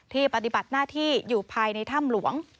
ปฏิบัติหน้าที่อยู่ภายในถ้ำหลวง